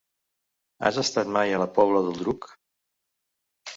Has estat mai a la Pobla del Duc?